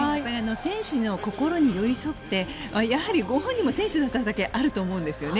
選手の心に寄り添ってやはりご本人も選手だっただけはあると思うんですね。